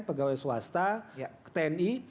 pegawai swasta tni